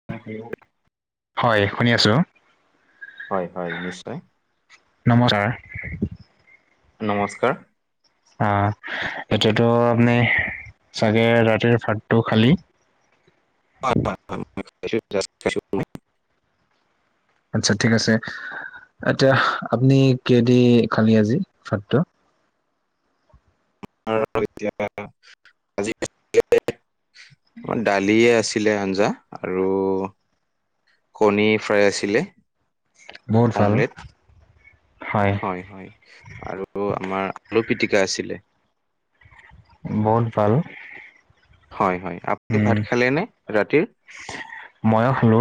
[unintelligible] হয় শুনি আছোঁ। হয় হয় নিশ্চয়। নমজাৰ। নমস্কাৰ। অ এতিয়াতো আপনি চাগে ৰাতিৰ ভাতটো খালি? হয় হয় [unintelligible] আচ্ছা ঠিক আছে, এতিয়া আপুনি কেদি খালি আজি ভাতটো? [unintelligible] লিয়ে আছিলে আঞ্জা আৰু কণী ফ্ৰাই আছিলে। বহুত ভাল অমলেট, হয় হয় আৰু অ আমাৰ আলু পিটিকা আছিলে। বহুত ভাল। হয় হয়, আপুনি উম ভাত খালে নে ৰাতিৰ? ময়ো খালো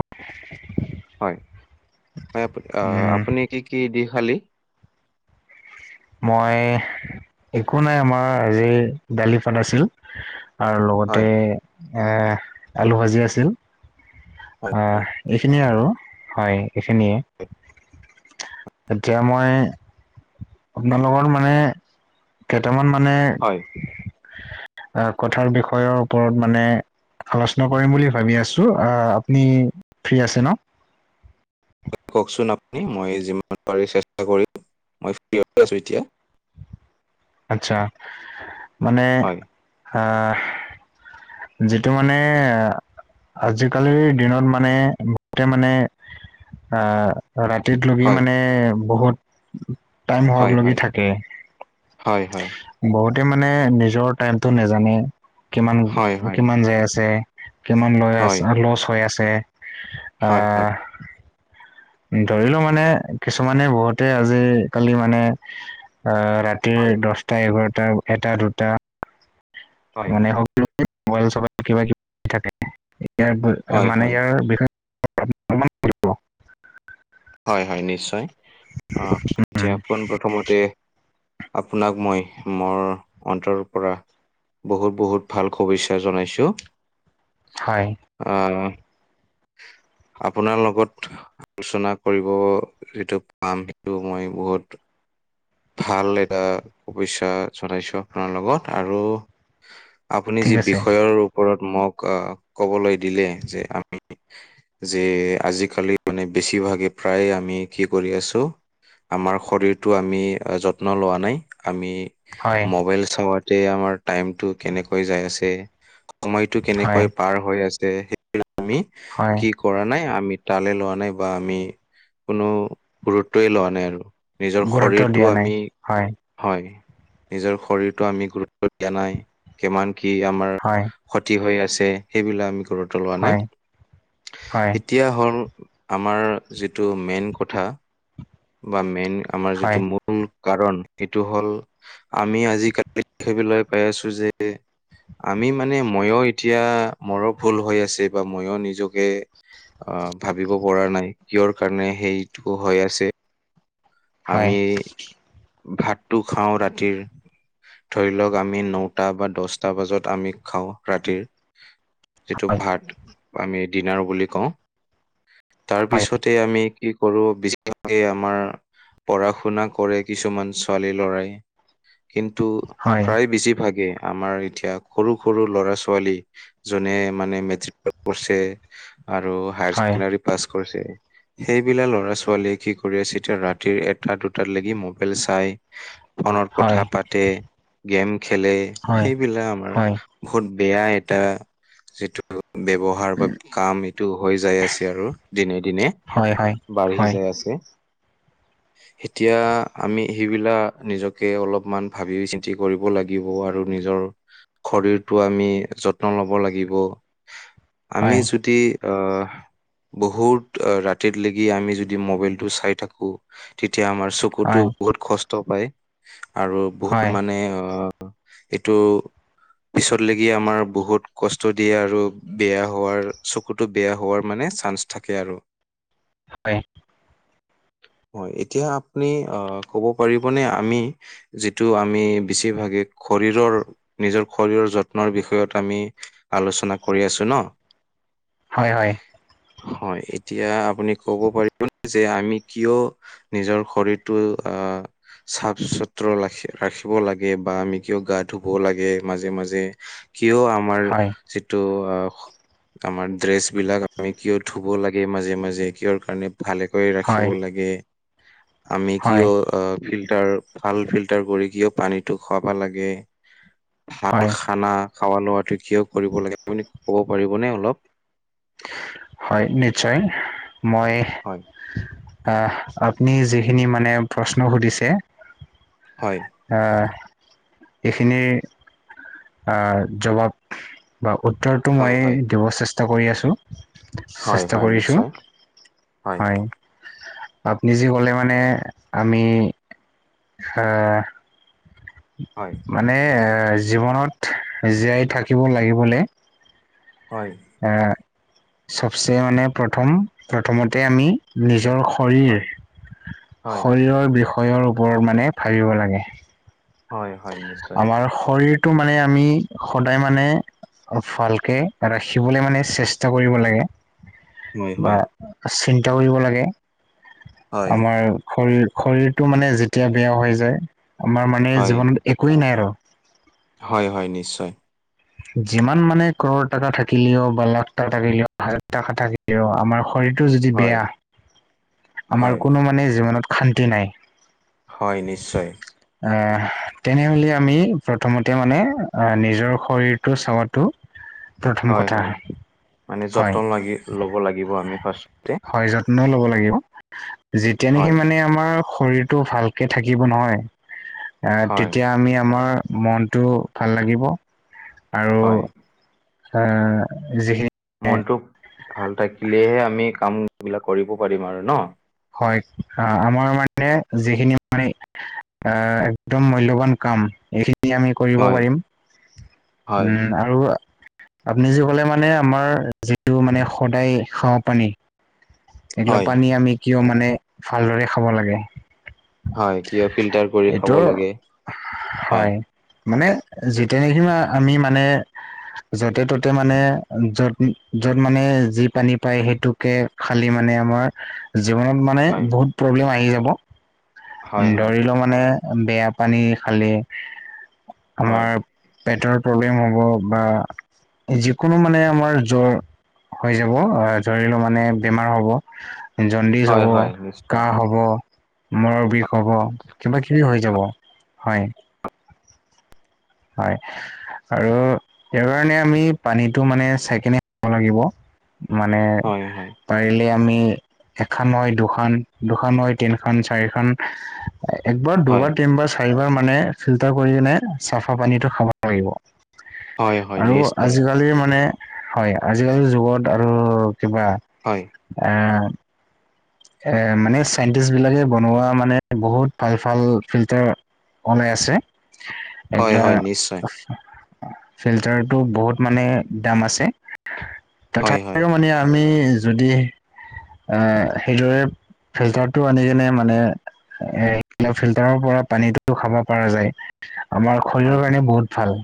হয় হয় আপ আ উম -আপুনি কি কি দি খালী? মই একো নাই আমাৰ এই যে দালি বনাইছিল। আৰু লগতে হয় এ আলু ভাজি আছিল। হয় অ হয় এইখিনিয়ে আৰু হয় এইখিনিয়ে। হয় এতিয়া মই আপোনালোকৰ মানে কেইটামান মানে হয়। আ কথাৰ বিষয়ৰ ওপৰত মানে আলোচনা কৰিম বুলি ভাবি আছো, আ আপুনি ফ্ৰী আছে ন? কওকচোন আপুনি মই যিমান পাৰি চেষ্টা কৰিম, মই ফ্ৰী হৈ আছো এতিয়া। আচ্ছা, মানে হয় আহ যিটো মানে আজিকালিৰ দিনত মানে বহুতে মানে আহ ৰাতিত লগি হয় মানে বহুত টাইম হয় হক লগি হয় থাকে হয় হয়। বহুতে মানে নিজৰ টাইমটো নেজানে, কিমান হয়, হয়, কিমান যায় আছে? কিমান লৈ হয়, আছে, লচ হৈ আছে। হয় হয়। ধৰিলো মানে কিছুমানে বহুতে আজিকালি মানে আহ ৰাত ৰাতি হয়, দশটা -এঘাৰটা, এটা- দুটা হয়, মানে [unintelligible] ম'বাইল চবাইল কিবা কিব থাকে ইয়াৰ হয়, মানে হয়, ইয়াৰ বিষয় হয় হয় নিশ্চয় আহ এতিয়া উম, পোন প্ৰথমতে আপোনাক মই মোৰ অন্তৰৰ পৰা বহুত বহুত ভাল শুভেচ্ছা জনাইছোঁ। হয়। আ ন আপোনাৰ লগত আলোচনা কৰিব যিটো পাম সেইটো মই বহুত ভাল এটা শুভেচ্ছা জনাইছো আপোনাৰ লগত আৰু আপুনি ঠিক যি আছে বিষয়ৰ ওপৰত মোক আ ক'বলৈ দিলে যে যে আজি-কালি মানে বেছিভাগে প্ৰায় আমি কি কৰি আছো আমাৰ শৰীৰটো আমি যত্ন লোৱা নাই। আমি হয় মবাইল চাৱাতে আমাৰ টাইমটো কেনেকৈ যায় আছে, সময়টো হয় কেনেকৈ পাৰ হৈ আছে সেইটো আমি হয় কৰা নাই আমি তালে লোৱা নাই বা আমি কোনো গুৰুত্বয়ে লোৱা নাই আৰু। নিজৰ গুৰুত্ব শৰীৰটো দিয়া নাই আমি হয় হয় নিজৰ শৰীৰটো আমি গুৰুত্ব দিয়া নাই, কিমান কি আমাৰ হয়। ক্ষতি হৈ আছে সেইবিলাক আমি গুৰুত্ব লোৱা নাই। হয় হয় এতিয়া হ'ল আমাৰ যিটো মেইন কথা বা মেইন আমাৰ হয় যিটো মু মূল কাৰণ সেইটো হল আমি আজি [unintelligible] পাই আছো যে আমি মানে মইও এতিয়া মৰো ভুল হৈ আছি। বা মইও নিজকে অ ভাবিব পৰা নাই কিহৰ কাৰণে সেইটো হৈ আছে। হয় আমি ভাতটো খাওঁ ৰাতিৰ। ধৰি লওক আমি নটা বা দছটা বাজত আমি খাওঁ ৰাতিৰ। যিটো ভাত আমি ডিনাৰ বুলি কওঁ। তাৰ হয় পিছত তে আমি কি কৰো, বেছিভাগে আমাৰ পঢ়া-শুনা কৰে। কিছুমান ছোৱালী-ল'ৰাই, কিন্তু হয় প্ৰায় বেছিভাগেই আমাৰ এতিয়া সৰু সৰু ল'ৰা ছোৱালী যোনে মানে মেট্ৰিক প [unintelligible] কৰছে। আৰু হয় হাইৰচেকেণ্ডাৰী পাছ কৰিছে সেইবিলা ল'ৰা ছোৱালীয়ে কি কৰি আছে এতিয়া ৰাতিৰ এটা দুটাত লেগি ম বাইল চাই ফনত কথা হয় পাতে, গেম খেলে হয় সেইবিলাক আমাৰ বহুত বেয়া এটা যিটো [unintelligible] ব্যব অহাৰ বা কাম এইটো হৈ যাই আছে আৰু দিনে-দিনে হয় হয় হয় বাঢ়ি হয় যাই আছে। এতিয়া আমি সেইবিলাক নিজকে অলপমান ভাবি-চিন্তি কৰিব লাগিব আৰু নিজৰ শৰীৰটো আমি যত্ন লব লাগিব। আমি যদি অ বহুত ৰাতিত লেগি আমি যদি মবাইলটো চাই থাকো, তেতিয়া আমাৰ চ কুটো হয় হয় বহুত কষ্ট পায় আৰু বহুত মানে অ এইটো পিছত লেগি আমাৰ বহুত কষ্ট দিয়ে আৰু বেয়া হোৱাৰ চ চকুটো বেয়া হোৱাৰ মানে চান্স থাকে আৰু। হয়। হয়, এতিয়া আপুনি আ কব পাৰিবনে আমি যিটো আমি বেছিভাগে শৰীৰৰ নিজৰ শৰীৰৰ যত্নৰ বিষয়ত আমি আলোচনা কৰি আছো ন? হয়, হয়। হয়, এতিয়া আপুনি ক'ব পাৰিবনে যে আমি কিয় নিজৰ শৰীৰটো আ চাফ চোত্ৰ ৰাখি ৰাখিব লাগে বা আমি কিয় গা ধুব লাগে। মাজে-মাজে কিয় আমাৰ যিটো আ আমাৰ ড্ৰেছ বিলাক আমি কিয় ধুব লাগে মাজে-মাজে, কিহৰ কাৰণে ভালে কৰি ৰাখিব লাগে আমি হয় কিয়? হয় অ ফিল্টাৰ ভাল ফিল্টাৰ কৰি কিয় পানীটো খোৱাব লাগে। ভাল হয় খানা খোৱা লোৱাটো কিয় কৰিব লাগে আপুনি ক'ব পাৰিবনে অলপ? হয় নিশ্চয় মই হয় আহ আপুনি যিখিনি মানে প্ৰশ্ন সুধিছে, হয়। অহ এইখিনি জবাব বা উত্তৰটো হয় মই হয় দিব চেষ্টা কৰি আছোঁ। হয় চেষ্টা হয় কৰিছোঁ নিশ্চয় হয়। আপুনি যি ক'লে মানে আমি অ হয়। মানে জীৱনত জীয়াই থাকিব লাগিবলে। হয়। এই চবচে মানে প্ৰথম প্ৰথমতে আমি। নিজৰ শৰীৰ হয় হয় শৰীৰৰ বিষয়ৰ ওপৰত মানে ভাবিব লাগে। হয় হয় নিশ্চয় আমাৰ শৰীৰটো মানে আমি সদায় মানে অ ভালকে ৰাখিবলে মানে চেষ্টা কৰিব লাগে। হয় বা হয় চিন্তা কৰিব লাগে হয় আমাৰ। শৰীৰ শৰীৰটো মানে যেতিয়া বেয়া হৈ যায় আমাৰ মানে হয় জীৱনত একোৱেই নাই আৰু। হয় হয় নিশ্চয়। যিমান মানে কৰৰ টকা থাকিলেও বা লাখ টকা থাকিলেও হাজাৰ টকা থাকিলেও আমাৰ শৰীৰ টো যদি হয় বেয়া হয় আমাৰ কোনো মানে জীৱনত শান্তি নাই। হয় নিশ্চয়। আহ তেনেহলে আমি প্ৰথমতে মানে আহ নিজৰ শৰীৰটো চাব হয় হয় মানে হয় যতন লাগি ল'ব লাগিব আমি ফাৰ্ষ হয় যত্ন ল'ব লাগিব যেতিয়া নেকি হয় মানে আমাৰ শৰীৰটো ভালকে থাকিব নহয় আহ হয় তেতিয়া আমি আমাৰ মন টো ভাল লাগিব। হয়। অ যিখিন মনটো ভাল থাকিলেহে আমি কাম বিলাক কৰিব পাৰিম আৰু ন। হয় আহ আমাৰ মানে যিখিনি মানে আহ একদম মূল্যবান কাম এইখিনি আমি কৰিব হয় পাৰিম হয় উম। আৰু আপুনি যি ক'লে মানে আমাৰ যিটো মানে সদায় খোৱা পানী। এইগিলা হয় পানী আমি কিয় মানে ভালদৰে খাব লাগে। হয় কিয় ফিল্টাৰ কৰি এইটো খাব লাগে হয়? মানে যেতিয়া নিকি আমি মানে য'তে ত'তে মানে য'ত য'ত মানে যি পানী পায় সেইটোকে কালি মানে আমাৰ জীৱনত মানে হয় বহুত প্ৰব্লেম আহি যাব। হয় হয় ধৰি লওঁ মানে বেয়া পানী খালে হয় আমাৰ পেটৰ প্ৰব্লেম হ'ব বা যিকোনো মানে আমাৰ জ্বৰ হৈ যাব ধৰি লওঁ মানে বেমাৰ হ'ব। জণ্ডিছ হয় হ'ব হয় নিশ্চয় কাঁহ হ'ব মূৰৰ বিষ হ'ব কিবা কিবি হৈ যাব হয়। হয় আৰু সেই কাৰণে আমি পানীটো মানে চাইকিনে আনিব লাগিব। মানে। হয় হয় পাৰিলে আমি এখন হয় দুখন, দুখন হয় তিনখন চাৰিখন। একবাৰ হয় দুবাৰ তিনিবাৰ চাৰিবাৰ মানে ফিল্টাৰ কৰিকিনে চাফা পানীটো খাব লাগিব। হয় হয় আৰু নিশ্চয় অজগ আজি মানে হয় আজিকালিৰ যুগত আৰু কিবা হয়। এ এ মানে চাইণ্টিষ্ট বিলাকে বনোৱা মানে বহুত ভাল ভাল ফিল্টাৰ অনে আছে হয় এইগিলা হয় নিশ্চয় ফিল্টাৰতটো বহুত মানে দাম আছে। হয় হয় তথাপিও মানে আমি যদি আহ সেইদৰে ফিল্টাৰটো আনি কিনে মানে ফিল্টাৰৰ পৰা পানীতো খাব পৰা যায়। আমাৰ হয় শৰীৰৰ কাৰণে বহুত ভাল,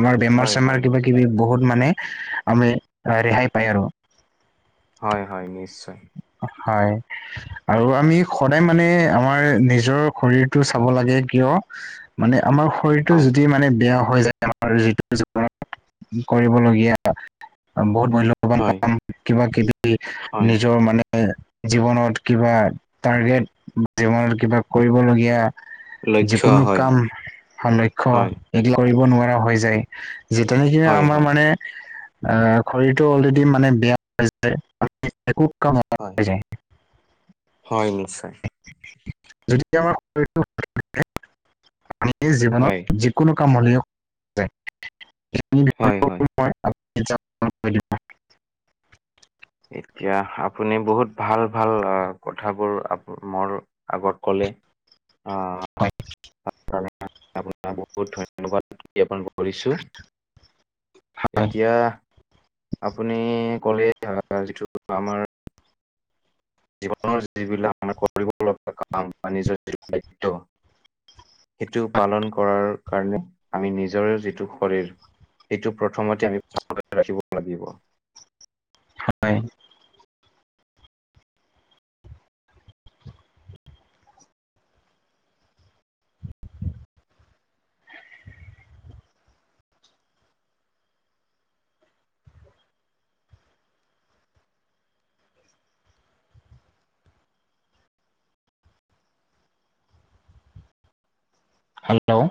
আমাৰ বেমাৰ হয় চেমাৰ হয় কিবা কিবি নিশ্চয় বহুত মানে আমি ৰেহাই পায় আৰু। হয় হয় নিশ্চয়। হয়। আৰু আমি সদায় মানে আমাৰ নিজৰ শৰীৰটো চাব লাগে কিয় মানে আমাৰ শৰীৰটো হয় যদি মানে বেয়া হৈ যায়। আমাৰ যিটো জীৱনত কৰিবলগীয়া বহুত মূল্য মুল্যবান হয় কাম কিবা কিবি হয় নিজ মানে জীৱনত কিবা টাৰ্গেট, জীৱনত কিবা কৰিবলগীয়া লক্ষ্য যিকোনো হয় কাম লক্ষ্য হয় এইবিলাক কৰিব নোৱাৰা হৈ যায়। যিটো নেকি হয় আমাৰ হয় মানে অ শৰীৰটো অলৰেদি মানে বেয়া। তে [unintelligible] একো কাম সমা- হয়। হয় নিশ্চয়। হয় [unintelligible] কোনো কাম হলিওক [unintelligible] হয় হয়। এতিয়া আপুনি বহুত ভাল ভাল কথাবোৰ মোৰ। আগত কলে আহ। হয়। আপোনাক বহুত ধন্যবাদ জ্ঞাপন কৰিছো। এতিয়া আপুনি ক'লে যিটো আমাৰ জীৱনৰ যিবিলাক মানে কৰিব লগা কাম বা নিজৰ যি দায়িত্ব সেইটো পালন কৰাৰ কাৰণে আমি নিজৰে যিটো শৰীৰ এইটো প্ৰথমতে আমি ভাল ৰাখিব লাগিব। হয়। হেল্ল'।